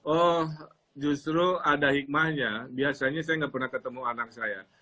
oh justru ada hikmahnya biasanya saya nggak pernah ketemu anak saya